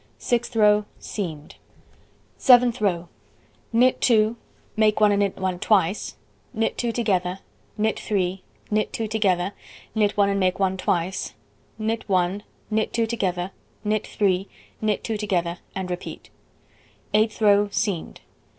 Sixth row: Seamed. Seventh row: Knit 2 (make 1 and knit 1 twice), knit 2 together, knit 3, knit 2 together (knit 1 and make 1 twice), knit 1, knit 2 together, knit 3, knit 2 together, and repeat. Eighth row: Seamed.